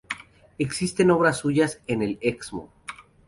Existen obras suyas en el Excmo.